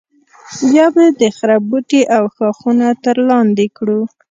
بیا به د خرپ بوټي او ښاخونه تر لاندې کړو.